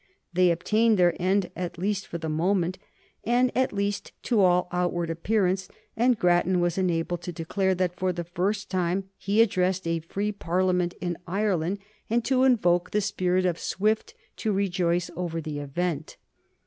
They obtained their end, at least for the moment, and at least to all outward appearance, and Grattan was enabled to declare that for the first time he addressed a free Parliament in Ireland and to invoke the spirit of Swift to rejoice over the event.